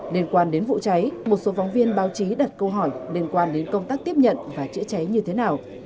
liên quan đến vụ cháy một số phóng viên báo chí đặt câu hỏi liên quan đến công tác tiếp nhận và chữa cháy như thế nào